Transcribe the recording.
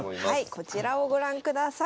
こちらをご覧ください。